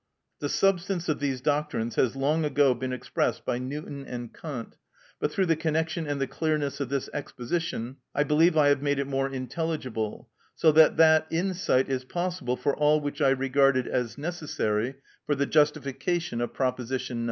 The substance of these doctrines has long ago been expressed by Newton and Kant, but through the connection and the clearness of this exposition I believe I have made it more intelligible, so that that insight is possible for all which I regarded as necessary for the justification of proposition No.